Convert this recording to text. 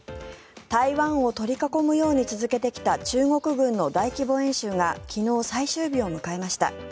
台湾を取り囲むように続けてきた中国軍の大規模演習が昨日、最終日を迎えました。